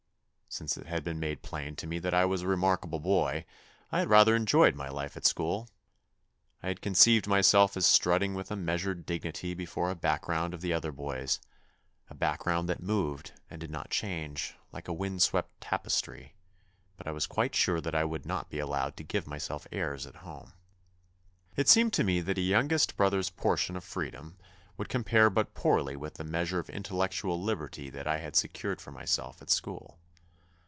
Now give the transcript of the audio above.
Since it had been made plain to me that I was a remarkable boy, I had rather enjoyed my life at school. I had con ceived myself as strutting with a measured dignity before a background of the other boys a background that moved and did not change, like a wind swept tapestry; but I was quite sure that I would not be allowed to give myself airs at home. It seemed to me that a youngest brother's portion of freedom would compare but poorly with the measure of intellectual liberty that I had secured for myself at school.